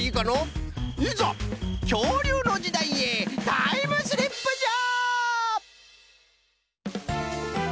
いざきょうりゅうのじだいへタイムスリップじゃ！